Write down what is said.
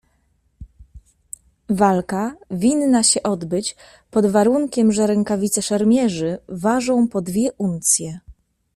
"Walka winna się odbyć pod warunkiem, że rękawice szermierzy ważą po dwie uncje."